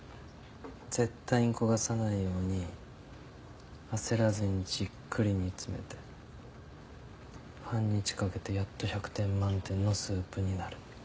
絶対に焦がさないように焦らずにじっくり煮詰めて半日かけてやっと百点満点のスープになる。